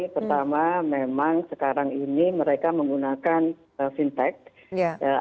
pertama memang sekarang ini mereka menggunakan fintech